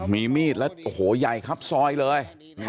มีมีดแล้วโอ้โหใหญ่ครับซอยเลย